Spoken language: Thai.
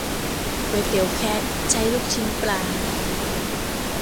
ก๋วยเตี๋ยวแคะ ใช้ลูกชิ้นปลา